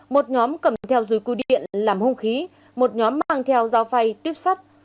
một nhóm cầm theo dùi cư điện làm hông khí một nhóm mang theo dao phay tuyếp sắt